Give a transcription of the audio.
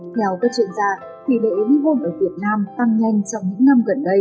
theo các chuyên gia tỷ lệ ly hôn ở việt nam tăng nhanh trong những năm gần đây và chiếm ba mươi một đến bốn mươi